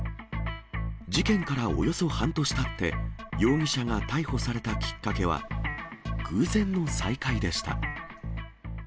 事件からおよそ半年たって、容疑者が逮捕されたきっかけは、偶然の再会でした。